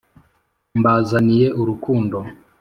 mbazaniye urukundo